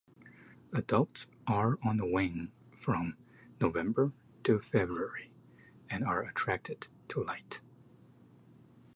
Adults are on the wing from November to February and are attracted to light.